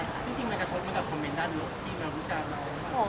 จริงมันก็ควรเป็นแบบคอมเมนต์ด้านลดที่มันรู้จักน้อง